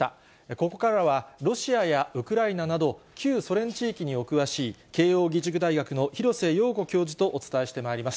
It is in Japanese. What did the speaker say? ここからはロシアやウクライナなど、旧ソ連地域にお詳しい慶応義塾大学の廣瀬陽子教授とお伝えしてまいります。